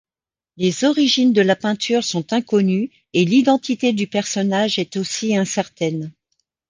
Les origines de la peinture sont inconnues et l'identité du personnage est aussi incertaine.